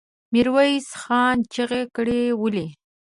ميرويس خان چيغه کړه! ولې؟